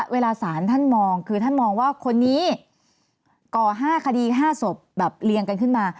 เวลาสารท่านมองคือท่านมองว่าคนนี้ก่อ๕คดี๕ศพแบบเรียงกันขึ้นมา